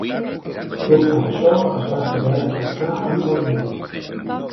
No obstant això, es va saber defensar amb valentia.